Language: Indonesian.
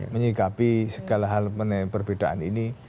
menyikapi segala hal mengenai perbedaan ini